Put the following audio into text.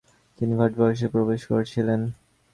তিনি ভারতবর্ষে প্রবেশ করেছিলেন।